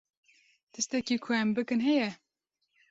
Tiştekî ku em bikin heye?